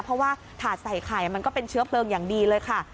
เพราะว่าถาดใส่ไข่มันก็เป็นเชื้อเพลิงอย่างดีเลยค่ะ